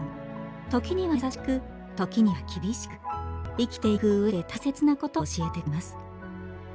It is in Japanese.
時には優しく時には厳しく生きていくうえで大切な事を教えてくれます。